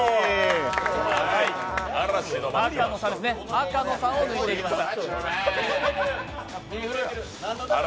赤の３を抜いていきました。